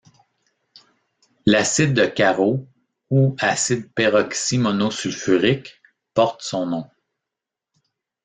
L'acide de Caro, ou acide peroxymonosulfurique, porte son nom.